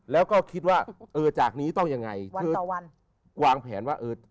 แล้วก็คิดว่าเออจากนี้ต้องยังไง